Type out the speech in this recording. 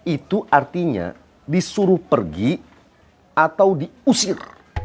itu artinya disuruh pergi atau diusir